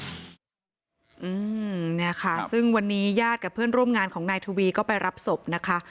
อืมเนี่ยค่ะซึ่งวันนี้ญาติกับเพื่อนร่วมงานของนายทวีก็ไปรับศพนะคะ